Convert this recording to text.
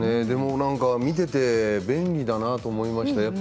でも見ていて便利だなと思いました。